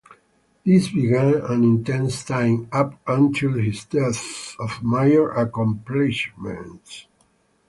This began an intense time, up until his death, of major accomplishments.